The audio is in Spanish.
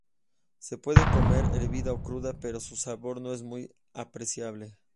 Se puede comer hervida o cruda, pero su sabor no es muy apreciable.